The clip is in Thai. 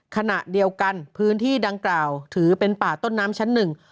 ขณะเดียวกันพื้นที่ดังกล่าวถือเป็นป่าต้นน้ำชั้นหนึ่ง